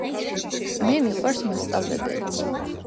მე მიყვარს მასწავლებელი